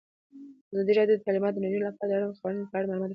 ازادي راډیو د تعلیمات د نجونو لپاره د اړونده قوانینو په اړه معلومات ورکړي.